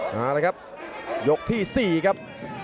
นาตาละครับยกที่๔กับ